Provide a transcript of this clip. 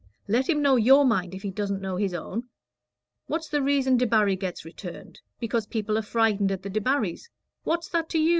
Let him know your mind if he doesn't know his own. What's the reason Debarry gets returned? Because people are frightened at the Debarrys. What's that to you?